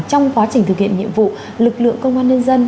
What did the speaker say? trong quá trình thực hiện nhiệm vụ lực lượng công an nhân dân